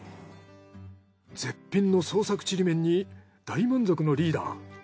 絶品の創作ちりめんに大満足のリーダー。